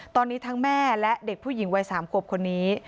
ตอนนี้ทั้งแม่และเด็กผู้หญิงวัย๓ขวบคนนี้